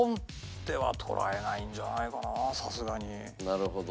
なるほど。